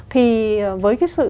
thì với cái sự